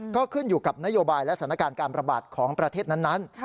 ก็ขึ้นอยู่กับนโยบายและสถานการณ์การประบาดของประเทศนั้น